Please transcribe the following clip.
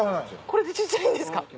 これで小っちゃいんですか？